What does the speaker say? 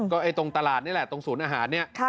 ก็ตรงตลาดนี่แหละตรงศูนย์อาหารเนี่ย